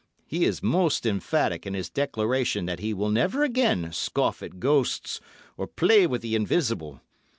He is most emphatic in his declaration that he will never again scoff at ghosts or play with the invisible.